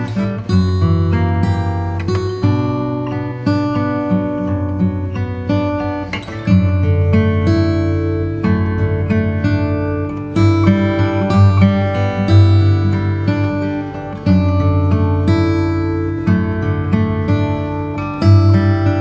cepet semua ya sayangnya